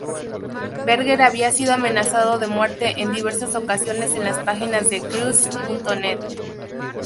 Berger había sido amenazado de muerte en diversas ocasiones en las páginas de "kreuz.net".